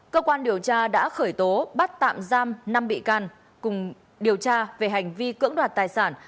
cơ quan điều tra đã khởi tố bắt tạm giam năm bị can cùng điều tra về hành vi cưỡng đoạt tài sản